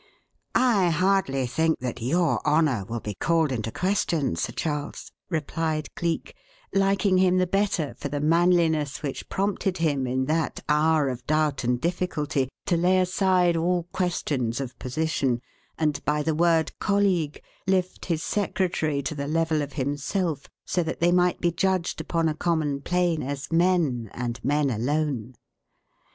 "I hardly think that your honour will be called into question, Sir Charles," replied Cleek, liking him the better for the manliness which prompted him in that hour of doubt and difficulty to lay aside all questions of position, and by the word "colleague" lift his secretary to the level of himself, so that they might be judged upon a common plane as men, and men alone.